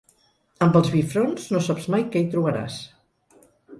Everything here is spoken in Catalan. Amb els bifronts no saps mai què hi trobaràs.